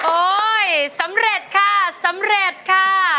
อ๋อโอ้สำเร็จค่ะสำเร็จค่ะ